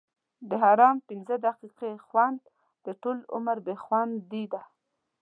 د حرام پنځه دقیقې خوند؛ د ټولو عمر بې خوندي ده.